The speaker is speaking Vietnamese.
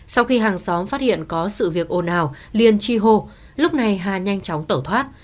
sau khi hàng xóm phát hiện có sự việc ồn ào liên chi hô lúc này hà nhanh chóng tẩu thoát